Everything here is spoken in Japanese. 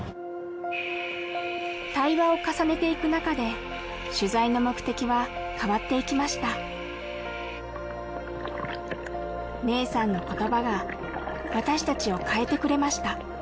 対話を重ねていく中で取材の目的は変わっていきましたメイさんのことばが私たちを変えてくれました